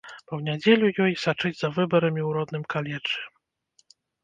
Бо ў нядзелю ёй сачыць за выбарамі ў родным каледжы.